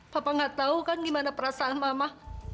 papa gak tau kan gimana perasaan mama